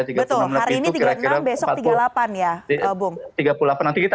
betul hari ini tiga puluh enam besok tiga puluh delapan ya bung